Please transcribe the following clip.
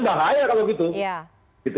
bahaya kalau gitu